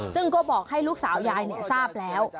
ซึ่งก็บอกให้ลูกสาวยายทราบแล้ว